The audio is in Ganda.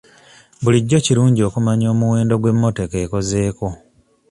Bulijjo kirungi okumanya omuwendo gw'emmotoka ekozeeko.